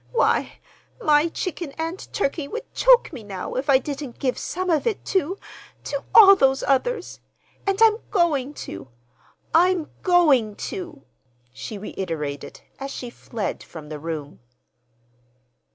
Why, my chicken and turkey would choke me now if I didn't give some of it to—to all these others. And I'm going to—I'm going to!" she reiterated, as she fled from the room.